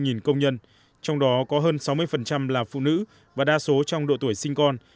và có hơn ba mươi công nhân trong đó có hơn sáu mươi là phụ nữ và đa số trong độ tuổi sinh con